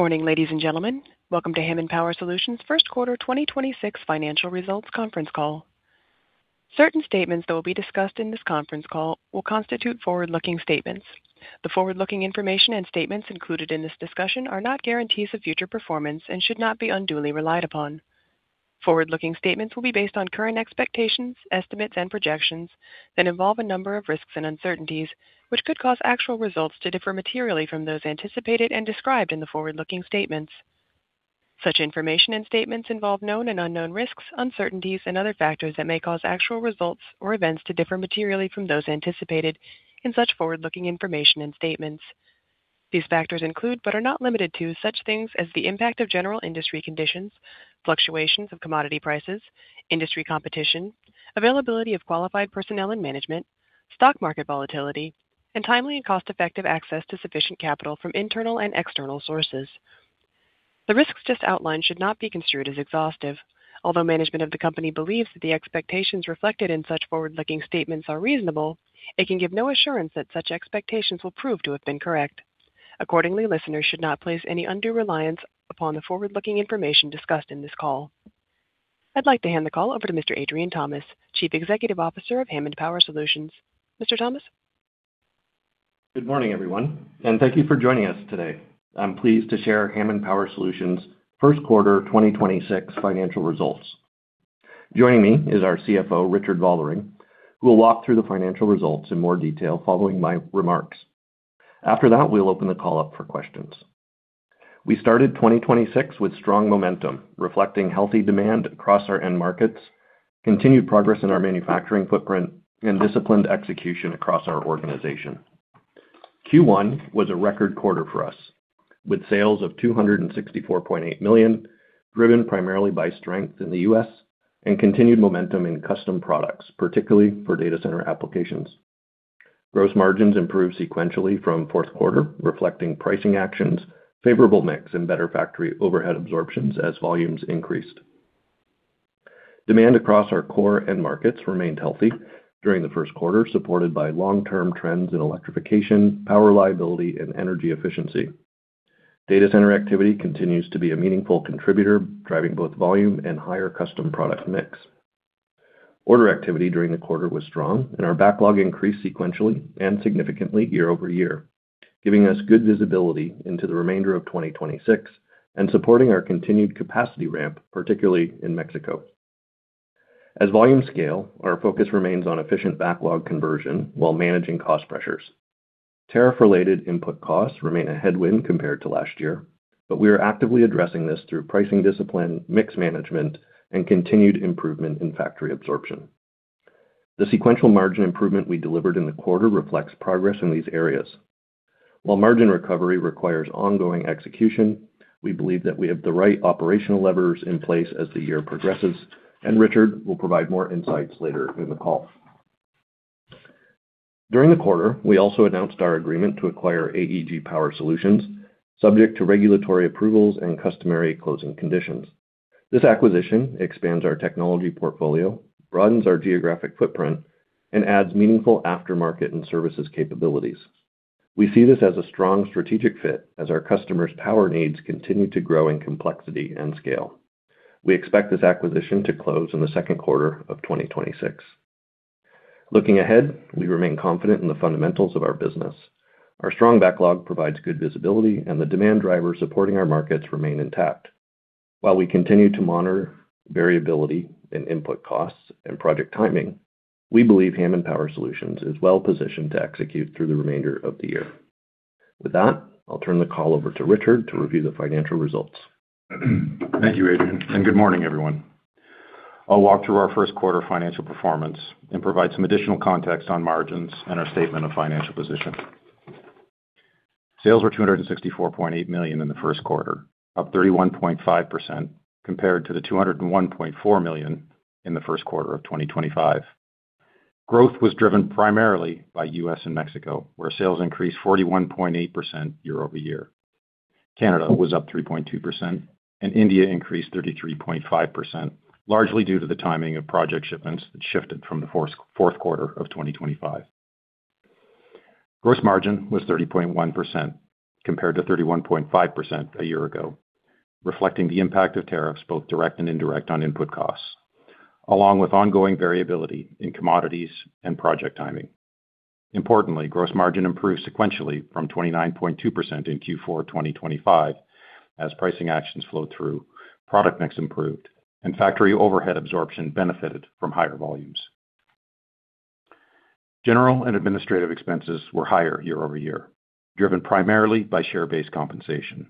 Good morning, ladies and gentlemen. Welcome to Hammond Power Solutions' first quarter 2026 financial results conference call. Certain statements that will be discussed in this conference call will constitute forward-looking statements. The forward-looking information and statements included in this discussion are not guarantees of future performance and should not be unduly relied upon. Forward-looking statements will be based on current expectations, estimates, and projections that involve a number of risks and uncertainties, which could cause actual results to differ materially from those anticipated and described in the forward-looking statements. Such information and statements involve known and unknown risks, uncertainties and other factors that may cause actual results or events to differ materially from those anticipated in such forward-looking information and statements. These factors include, but are not limited to, such things as the impact of general industry conditions, fluctuations of commodity prices, industry competition, availability of qualified personnel and management, stock market volatility, and timely and cost-effective access to sufficient capital from internal and external sources. The risks just outlined should not be construed as exhaustive. Although management of the company believes that the expectations reflected in such forward-looking statements are reasonable, it can give no assurance that such expectations will prove to have been correct. Accordingly, listeners should not place any undue reliance upon the forward-looking information discussed in this call. I'd like to hand the call over to Mr. Adrian Thomas, Chief Executive Officer of Hammond Power Solutions. Mr. Thomas? Good morning, everyone, and thank you for joining us today. I'm pleased to share Hammond Power Solutions' first quarter 2026 financial results. Joining me is our CFO, Richard Vollering, who will walk through the financial results in more detail following my remarks. After that, we'll open the call up for questions. We started 2026 with strong momentum, reflecting healthy demand across our end markets, continued progress in our manufacturing footprint, and disciplined execution across our organization. Q1 was a record quarter for us, with sales of 264.8 million, driven primarily by strength in the U.S. and continued momentum in custom products, particularly for data center applications. Gross margins improved sequentially from fourth quarter, reflecting pricing actions, favorable mix and better factory overhead absorptions as volumes increased. Demand across our core end markets remained healthy during the first quarter, supported by long-term trends in electrification, power reliability and energy efficiency. Data center activity continues to be a meaningful contributor, driving both volume and higher custom product mix. Order activity during the quarter was strong. Our backlog increased sequentially and significantly year-over-year, giving us good visibility into the remainder of 2026 and supporting our continued capacity ramp, particularly in Mexico. As volumes scale, our focus remains on efficient backlog conversion while managing cost pressures. Tariff-related input costs remain a headwind compared to last year. We are actively addressing this through pricing discipline, mix management, and continued improvement in factory absorption. The sequential margin improvement we delivered in the quarter reflects progress in these areas. While margin recovery requires ongoing execution, we believe that we have the right operational levers in place as the year progresses, and Richard will provide more insights later in the call. During the quarter, we also announced our agreement to acquire AEG Power Solutions, subject to regulatory approvals and customary closing conditions. This acquisition expands our technology portfolio, broadens our geographic footprint, and adds meaningful aftermarket and services capabilities. We see this as a strong strategic fit as our customers' power needs continue to grow in complexity and scale. We expect this acquisition to close in the second quarter of 2026. Looking ahead, we remain confident in the fundamentals of our business. Our strong backlog provides good visibility, and the demand drivers supporting our markets remain intact. While we continue to monitor variability in input costs and project timing, we believe Hammond Power Solutions is well positioned to execute through the remainder of the year. With that, I'll turn the call over to Richard to review the financial results. Thank you, Adrian. Good morning, everyone. I'll walk through our first quarter financial performance and provide some additional context on margins and our statement of financial position. Sales were 264.8 million in the first quarter, up 31.5% compared to the 201.4 million in the first quarter of 2025. Growth was driven primarily by U.S. and Mexico, where sales increased 41.8% year-over-year. Canada was up 3.2%. India increased 33.5%, largely due to the timing of project shipments that shifted from the fourth quarter of 2025. Gross margin was 30.1% compared to 31.5% a year ago, reflecting the impact of tariffs, both direct and indirect, on input costs, along with ongoing variability in commodities and project timing. Importantly, gross margin improved sequentially from 29.2% in Q4 2025 as pricing actions flowed through, product mix improved, and factory overhead absorption benefited from higher volumes. General and administrative expenses were higher year-over-year, driven primarily by share-based compensation.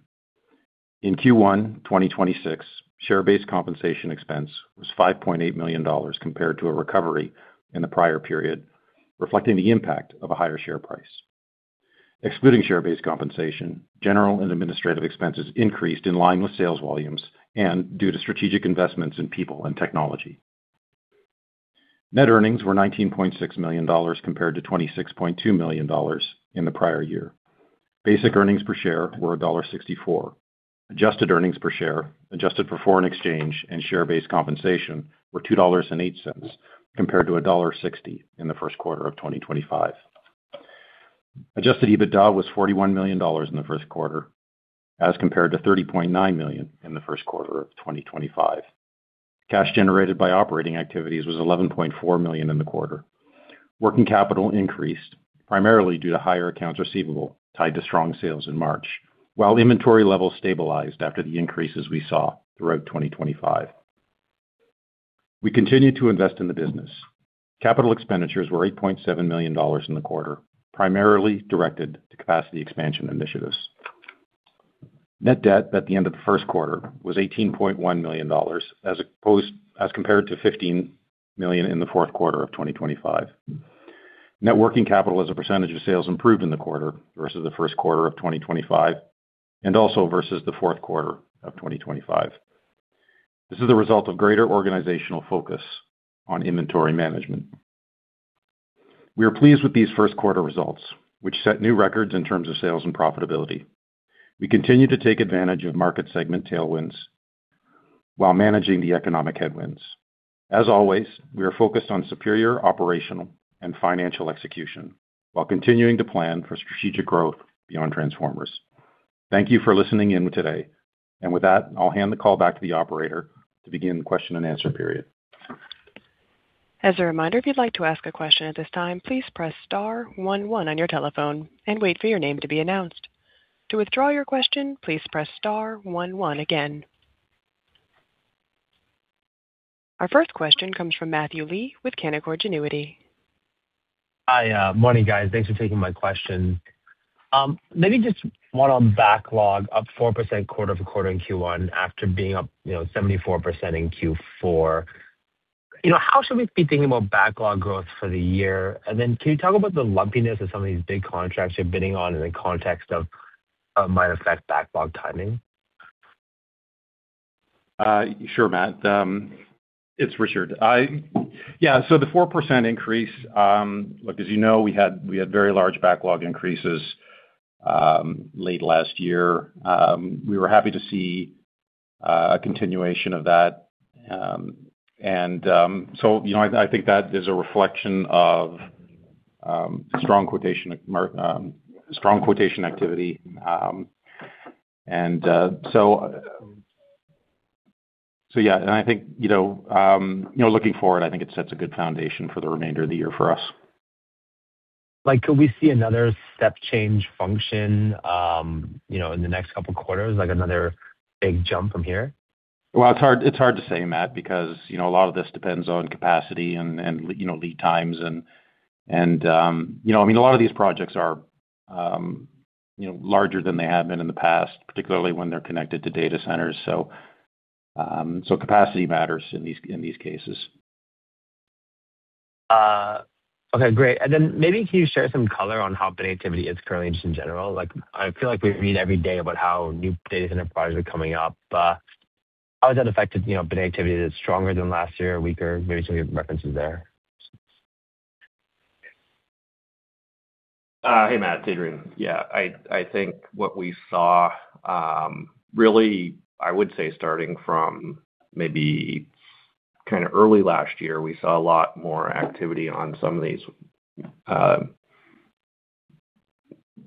In Q1 2026, share-based compensation expense was 5.8 million dollars compared to a recovery in the prior period, reflecting the impact of a higher share price. Excluding share-based compensation, general and administrative expenses increased in line with sales volumes and due to strategic investments in people and technology. Net earnings were 19.6 million dollars compared to 26.2 million dollars in the prior year. Basic earnings per share were dollar 1.64. Adjusted earnings per share, adjusted for foreign exchange and share-based compensation were 2.08 dollars compared to dollar 1.60 in the first quarter of 2025. Adjusted EBITDA was 41 million dollars in the first quarter as compared to 30.9 million in the first quarter of 2025. Cash generated by operating activities was 11.4 million in the quarter. Working capital increased primarily due to higher accounts receivable tied to strong sales in March, while inventory levels stabilized after the increases we saw throughout 2025. We continue to invest in the business. Capital expenditures were 8.7 million dollars in the quarter, primarily directed to capacity expansion initiatives. Net debt at the end of the first quarter was 18.1 million dollars as compared to 15 million in the fourth quarter of 2025. Net working capital as a percentage of sales improved in the quarter versus the first quarter of 2025 and also versus the fourth quarter of 2025. This is a result of greater organizational focus on inventory management. We are pleased with these first quarter results, which set new records in terms of sales and profitability. We continue to take advantage of market segment tailwinds while managing the economic headwinds. As always, we are focused on superior operational and financial execution while continuing to plan for strategic growth beyond transformers. Thank you for listening in today. With that, I'll hand the call back to the operator to begin the question and answer period. Our first question comes from Matthew Lee with Canaccord Genuity. Hi. Morning, guys. Thanks for taking my question. Maybe just one on backlog, up 4% quarter-over-quarter in Q1 after being up, you know, 74% in Q4. You know, how should we be thinking about backlog growth for the year? Can you talk about the lumpiness of some of these big contracts you're bidding on in the context of how it might affect backlog timing? Sure, Matt. It's Richard. Yeah, so the 4% increase, look, as you know, we had very large backlog increases late last year. We were happy to see a continuation of that. So, you know, I think that is a reflection of strong quotation activity. So, yeah. I think, you know, looking forward, I think it sets a good foundation for the remainder of the year for us. Could we see another step change function, you know, in the next couple quarters, like another big jump from here? Well, it's hard to say, Matt, because, you know, a lot of this depends on capacity and, you know, lead times and, you know, I mean, a lot of these projects are, you know, larger than they have been in the past, particularly when they're connected to data centers. Capacity matters in these cases. Okay, great. Maybe can you share some color on how bid activity is currently just in general? Like, I feel like we read every day about how new data center projects are coming up. How has that affected, you know, bid activity? Is it stronger than last year or weaker? Maybe some of your references there. Hey, Matt, it's Adrian. Yeah, I think what we saw, really, I would say starting from maybe kinda early last year, we saw a lot more activity on some of these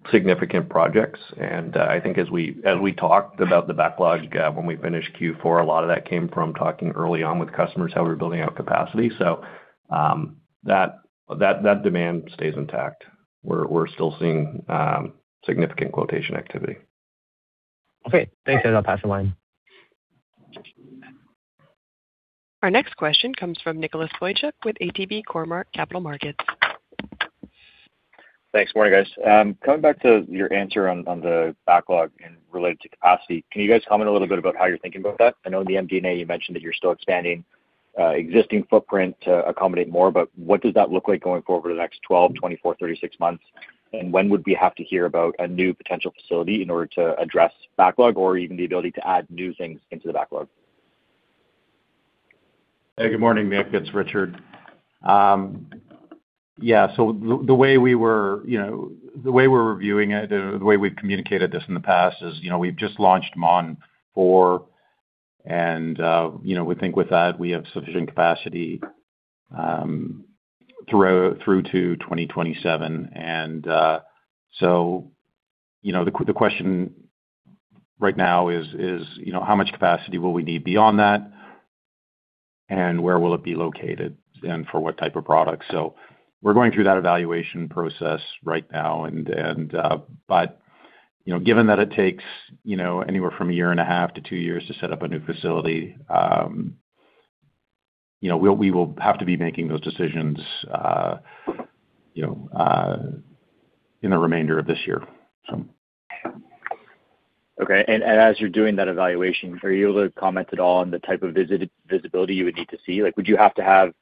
significant projects. I think as we, as we talked about the backlog, when we finished Q4, a lot of that came from talking early on with customers, how we're building out capacity. That demand stays intact. We're still seeing significant quotation activity. Okay. Thanks, Adrian. I'll pass the line. Our next question comes from Nicholas Boychuk with ATB Cormark Capital Markets. Thanks. Morning, guys. Coming back to your answer on the backlog and related to capacity, can you guys comment a little bit about how you're thinking about that? I know in the MD&A you mentioned that you're still expanding existing footprint to accommodate more, but what does that look like going forward over the next 12, 24, 36 months? When would we have to hear about a new potential facility in order to address backlog or even the ability to add new things into the backlog? Hey, good morning, Nick. It's Richard. Yeah, the way we were, you know, the way we're reviewing it or the way we've communicated this in the past is, you know, we've just launched Mont 4 and, you know, we think with that we have sufficient capacity throughout, through to 2027. You know, the question right now is, you know, how much capacity will we need beyond that, and where will it be located, and for what type of products? We're going through that evaluation process right now and, but, you know, given that it takes, you know, anywhere from a year and a half to two years to set up a new facility, you know, we'll, we will have to be making those decisions, you know, in the remainder of this year. Okay. As you're doing that evaluation, are you able to comment at all on the type of visibility you would need to see? Like, would you have to have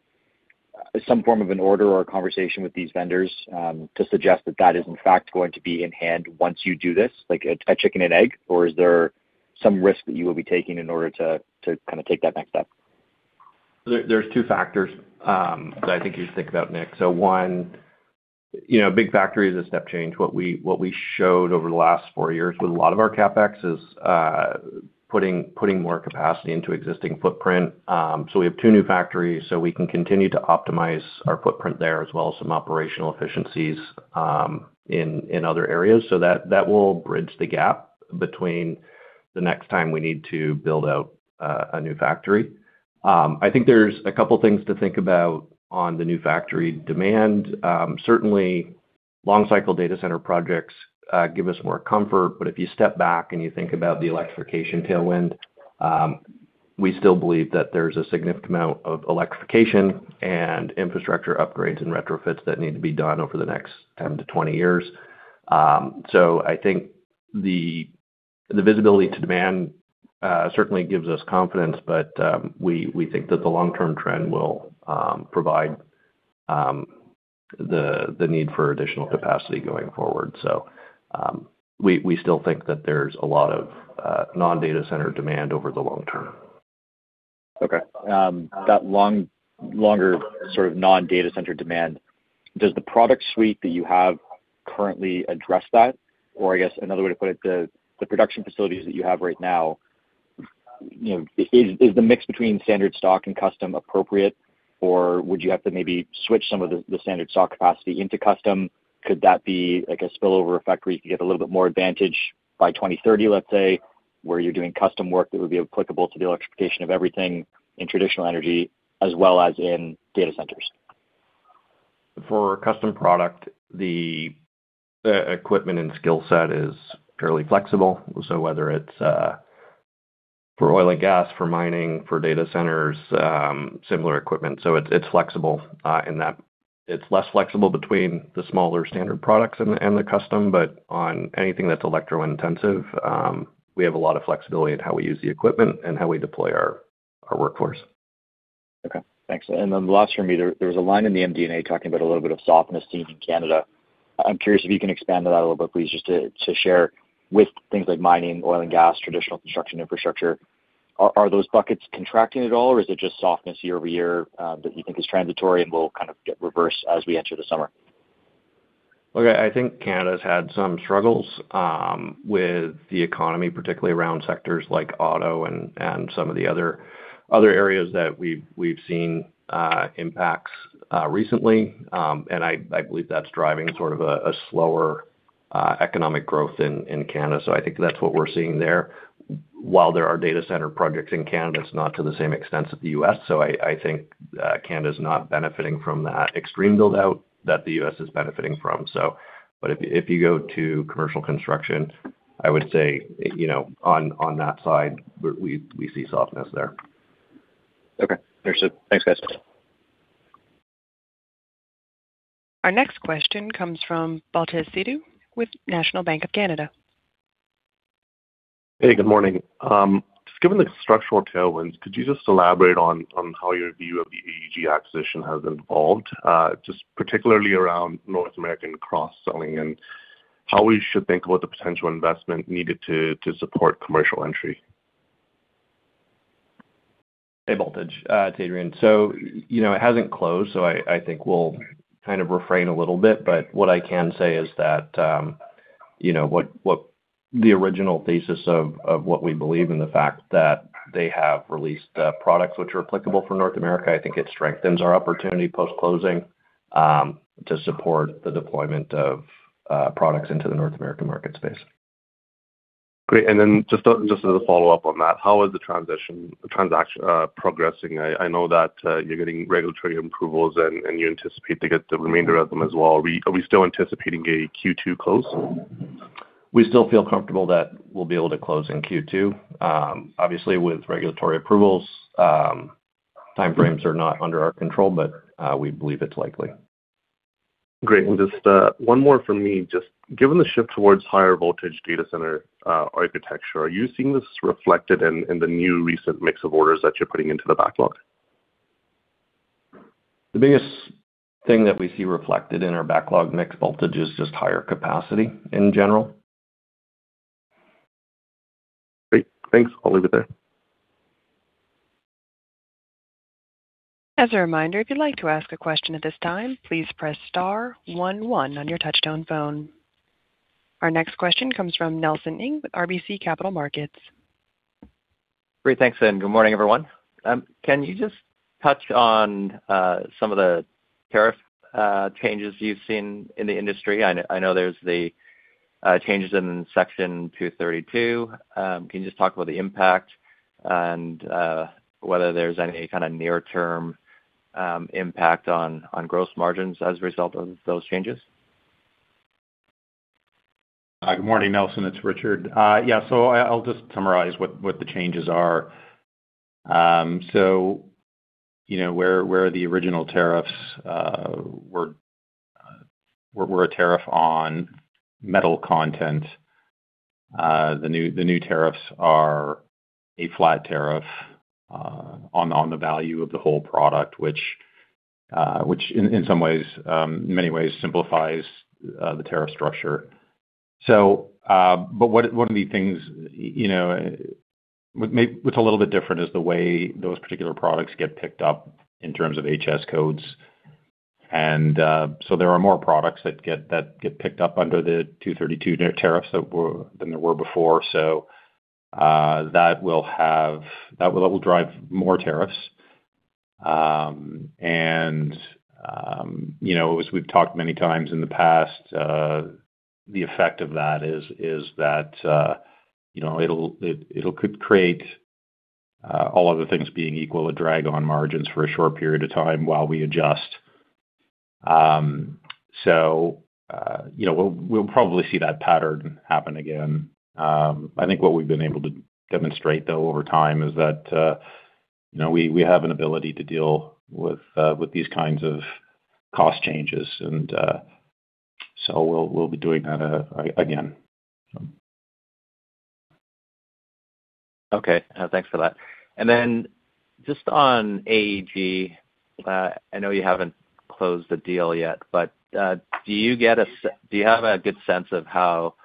some form of an order or a conversation with these vendors to suggest that that is in fact going to be in hand once you do this, like a chicken and egg? Or is there some risk that you will be taking in order to kind of take that next step? There's two factors that I think you should think about, Nicholas Boychuk. One you know, big factory is a step change. What we showed over the last four years with a lot of our CapEx is putting more capacity into existing footprint. We have two new factories, we can continue to optimize our footprint there as well as some operational efficiencies in other areas. That will bridge the gap between the next time we need to build out a new factory. I think there's a couple things to think about on the new factory demand. Certainly long cycle data center projects give us more comfort, but if you step back and you think about the electrification tailwind, we still believe that there's a significant amount of electrification and infrastructure upgrades and retrofits that need to be done over the next 10 to 20 years. I think the visibility to demand certainly gives us confidence, but we think that the long-term trend will provide the need for additional capacity going forward. We still think that there's a lot of non-data center demand over the long term. Okay. That longer sort of non-data center demand, does the product suite that you have currently address that? I guess another way to put it, the production facilities that you have right now, you know, is the mix between standard stock and custom appropriate, or would you have to maybe switch some of the standard stock capacity into custom? Could that be like a spillover effect where you could get a little bit more advantage by 2030, let's say, where you're doing custom work that would be applicable to the electrification of everything in traditional energy as well as in data centers? For custom product, the equipment and skill set is fairly flexible. Whether it's for oil and gas, for mining, for data centers, similar equipment. It's flexible in that it's less flexible between the smaller standard products and the custom, but on anything that's electro-intensive, we have a lot of flexibility in how we use the equipment and how we deploy our workforce. Okay. Thanks. Last for me, there was a line in the MD&A talking about a little bit of softness seen in Canada. I'm curious if you can expand on that a little bit, please, just to share with things like mining, oil and gas, traditional construction infrastructure. Are those buckets contracting at all or is it just softness year-over-year that you think is transitory and will kind of get reversed as we enter the summer? Okay. I think Canada's had some struggles with the economy, particularly around sectors like auto and some of the other areas that we've seen impacts recently. I believe that's driving sort of a slower economic growth in Canada. I think that's what we're seeing there. While there are data center projects in Canada, it's not to the same extent as the U.S. I think Canada's not benefiting from that extreme build-out that the U.S. is benefiting from. If you go to commercial construction, I would say, you know, on that side we see softness there. Okay. There's it. Thanks, guys. Our next question comes from Baltej Sidhu with National Bank of Canada. Hey, good morning. Just given the structural tailwinds, could you just elaborate on how your view of the AEG acquisition has evolved, just particularly around North American cross-selling and how we should think about the potential investment needed to support commercial entry? Hey, Baltej. Uh, it's Adrian. You know, it hasn't closed, so I think we'll kind of refrain a little bit. But what I can say is that, you know, what the original thesis of what we believe in the fact that they have released, products which are applicable for North America, I think it strengthens our opportunity post-closing, to support the deployment of, products into the North American market space. Great. Just as a follow-up on that, how is the transaction progressing? I know that you're getting regulatory approvals and you anticipate to get the remainder of them as well. Are we still anticipating a Q2 close? We still feel comfortable that we'll be able to close in Q2. Obviously with regulatory approvals, timeframes are not under our control, but we believe it's likely. Great. Just one more for me. Just given the shift towards higher voltage data center architecture, are you seeing this reflected in the new recent mix of orders that you're putting into the backlog? The biggest thing that we see reflected in our backlog mix, Baltej, is just higher capacity in general. Great. Thanks. I'll leave it there. As a reminder if you would like to ask a question at this time press star one one on your touchtone phone. Our next question comes from Nelson Ng with RBC Capital Markets. Great. Thanks. Good morning, everyone. Can you just touch on some of the tariff changes you've seen in the industry? I know there's the changes in Section 232. Can you just talk about the impact and whether there's any kind of near-term impact on gross margins as a result of those changes? Good morning, Nelson. It's Richard. Yeah, I'll just summarize what the changes are. You know, where the original tariffs were a tariff on metal content, the new tariffs are a flat tariff on the value of the whole product, which, which in some ways, in many ways simplifies the tariff structure. One of the things, you know, what's a little bit different is the way those particular products get picked up in terms of HS codes. There are more products that get picked up under the 232 tariffs than there were before. That will drive more tariffs. You know, as we've talked many times in the past, the effect of that is that, you know, it'll could create, all other things being equal, a drag on margins for a short period of time while we adjust. You know, we'll probably see that pattern happen again. I think what we've been able to demonstrate though over time is that, you know, we have an ability to deal with these kinds of cost changes. So we'll be doing that again. Okay. Thanks for that. Just on AEG, I know you haven't closed the deal yet, but do you have a good sense of how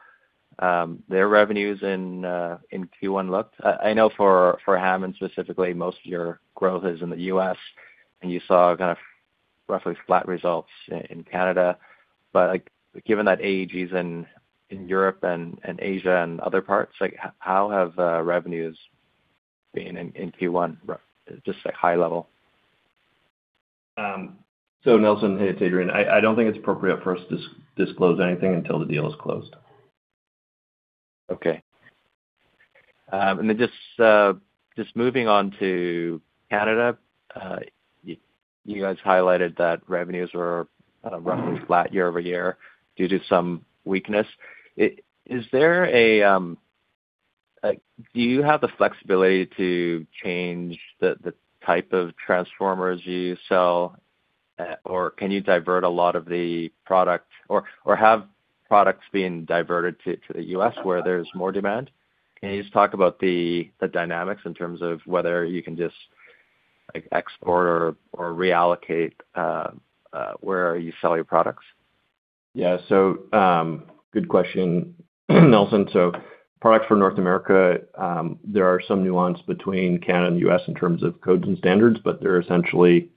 their revenues in Q1 looked? I know for Hammond specifically, most of your growth is in the U.S. and you saw kind of roughly flat results in Canada. Like, given that AEG is in Europe and Asia and other parts, like how have revenues been in Q1, just like high level? Nelson, hey, it's Adrian. I don't think it's appropriate for us to disclose anything until the deal is closed. Okay. Just moving on to Canada, you guys highlighted that revenues were kind of roughly flat year-over-year due to some weakness. Is there a, do you have the flexibility to change the type of transformers you sell? Or can you divert a lot of the product? Or have products been diverted to the U.S. where there's more demand? Can you just talk about the dynamics in terms of whether you can just like export or reallocate where you sell your products? Good question, Nelson. Products for North America, there are some nuances between Canada and the U.S. in terms of codes and standards, they're essentially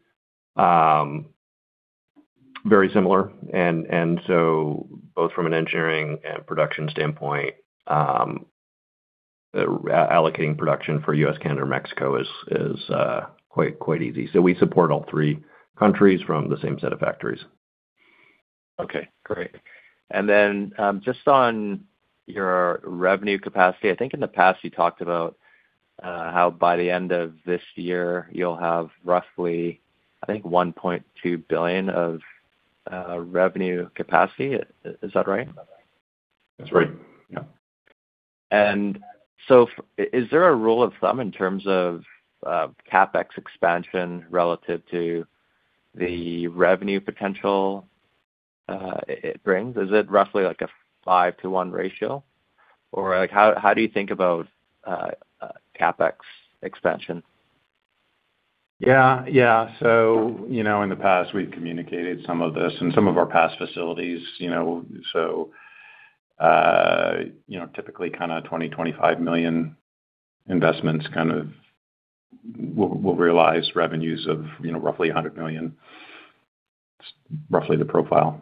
very similar and both from an engineering and production standpoint, allocating production for the U.S., Canada, or Mexico is quite easy. We support all three countries from the same set of factories. Okay, great. Just on your revenue capacity, I think in the past you talked about how by the end of this year, you'll have roughly, I think 1.2 billion of revenue capacity. Is that right? That's right. Yeah. Is there a rule of thumb in terms of CapEx expansion relative to the revenue potential it brings? Is it roughly like a five to one ratio? Or like how do you think about CapEx expansion? Yeah. You know, in the past, we've communicated some of this in some of our past facilities, you know. You know, typically kind of 20-25 million investments kind of will realize revenues of, you know, roughly 100 million. Roughly the profile.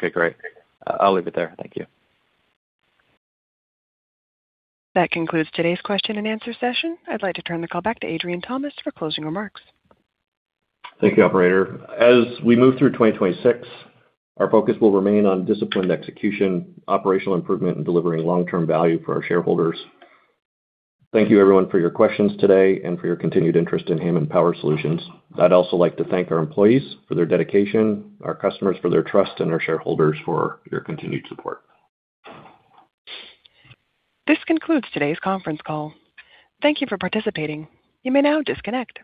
Okay, great. I'll leave it there. Thank you. That concludes today's question and answer session. I'd like to turn the call back to Adrian Thomas for closing remarks. Thank you, operator. As we move through 2026, our focus will remain on disciplined execution, operational improvement, and delivering long-term value for our shareholders. Thank you everyone for your questions today and for your continued interest in Hammond Power Solutions. I'd also like to thank our employees for their dedication, our customers for their trust, and our shareholders for your continued support. This concludes today's conference call. Thank you for participating. You may now disconnect.